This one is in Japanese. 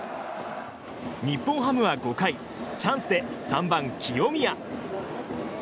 日本ハムは５回チャンスで３番、清宮。